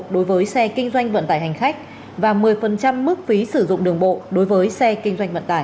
đối với xe kinh doanh vận tải hành khách và một mươi mức phí sử dụng đường bộ đối với xe kinh doanh vận tải